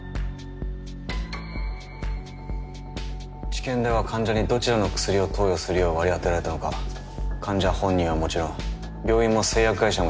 治験では患者にどちらの薬を投与するよう割り当てられたのか患者本人はもちろん病院も製薬会社も知らされない。